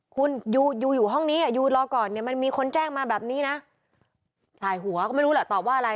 คุณอยู่อยู่ห้องนี้อยู่รอก่อนเนี่ยมันมีคนแจ้งมาแบบนี้นะถ่ายหัวก็ไม่รู้แหละตอบว่าอะไร